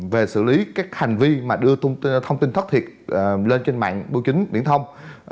về xử lý các hành vi mà đưa thông tin thất thiệt lên trên mạng bộ chính biển thông